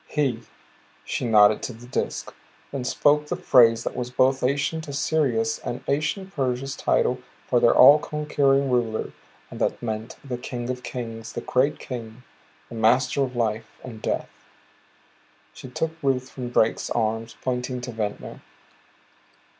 "He" she nodded to the Disk, then spoke the phrase that was both ancient Assyria's and ancient Persia's title for their all conquering rulers, and that meant "the King of Kings. The Great King, Master of Life and Death." She took Ruth from Drake's arms, pointing to Ventnor.